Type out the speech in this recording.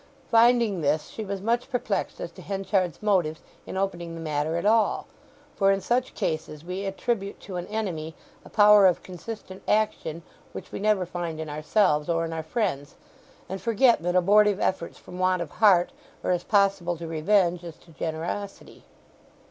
Finding this, she was much perplexed as to Henchard's motives in opening the matter at all; for in such cases we attribute to an enemy a power of consistent action which we never find in ourselves or in our friends; and forget that abortive efforts from want of heart are as possible to revenge as to generosity.